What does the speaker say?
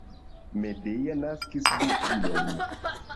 Medea naskis du filojn.